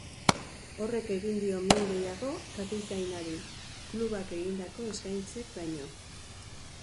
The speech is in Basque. Horrek egin dio min gehiago kapitainari, klubak egindako eskaintzek baino.